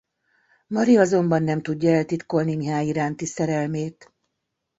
Mari azonban nem tudja eltitkolni Mihály iránti szerelmét.